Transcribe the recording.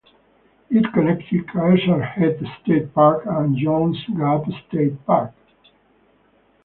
It connected Caesars Head State Park and Jones Gap State Park.